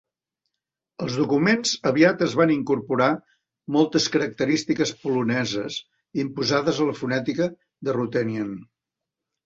Els documents aviat es van incorporar moltes característiques poloneses imposades a la fonètica de Ruthenian.